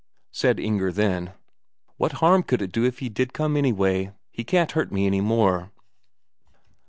Said Inger then: "What harm could it do if he did come, anyway? He can't hurt me any more."